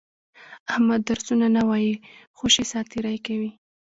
احمد درسونه نه وایي، خوشې ساتېري کوي.